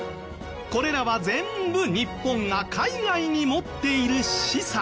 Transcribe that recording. これらは全部日本が海外に持っている資産。